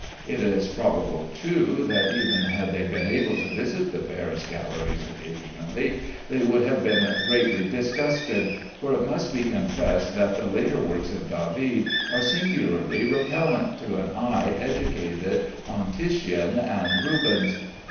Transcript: It is probable, too, that even had they been able to visit the Paris galleries occasionally, they would have been greatly disgusted; for it must be confessed that the later works of David are singularly repellent to an eye educated on Titian and Rubens.